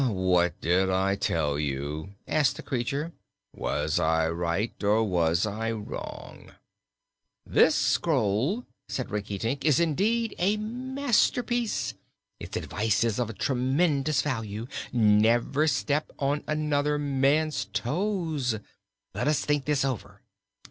"What did I tell you?" asked the creature. "Was I right, or was I wrong?" "This scroll," said Rinkitink, "is indeed a masterpiece. Its advice is of tremendous value. 'Never step on another man's toes.' Let us think this over.